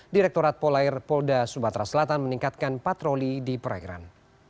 direkturat polair polda subatra selatan meningkatkan patroli di perairan